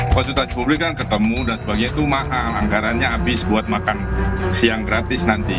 fasilitas publik kan ketemu dan sebagainya itu mahal anggarannya habis buat makan siang gratis nanti